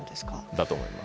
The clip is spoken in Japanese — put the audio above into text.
だと思います。